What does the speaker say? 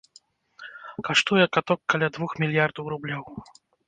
Каштуе каток каля двух мільярдаў рублёў.